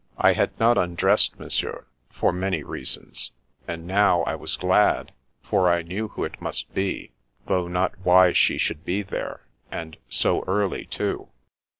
I had not undressed, Monsieur, for many reasons, and now I was glad, for I knew who it must be, though not why she should be there, and so early too.